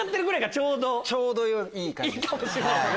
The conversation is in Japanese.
ちょうどいい感じですね。